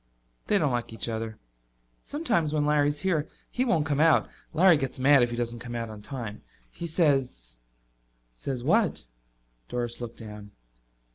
"They don't like each other. Sometimes when Larry's here he won't come out. Larry gets mad if he doesn't come out on time. He says " "Says what?" Doris looked down.